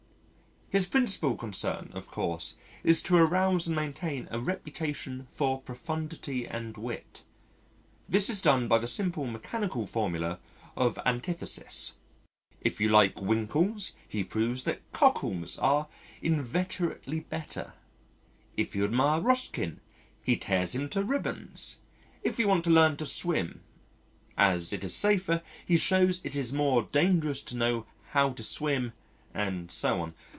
His principal concern of course is to arouse and maintain a reputation for profundity and wit. This is done by the simple mechanical formula of antithesis: if you like winkles he proves that cockles are inveterately better; if you admire Ruskin he tears him to ribbons. If you want to learn to swim as it is safer, he shows it is more dangerous to know how to swim and so on.